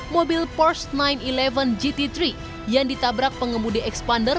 mobil pors sembilan sebelas gt tiga yang ditabrak pengemudi expander